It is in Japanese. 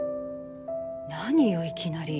何よいきなり。